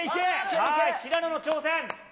さあ、平野の挑戦。